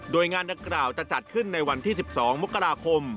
โดยงานดังกล่าวจะจัดขึ้นในวันที่๑๒มกราคม